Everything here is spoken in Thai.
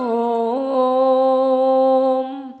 โอ้ม